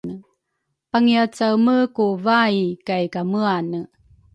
pangiacaeme ku vai kaykameane